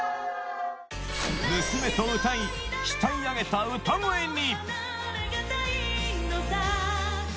娘と歌い鍛え上げた歌声に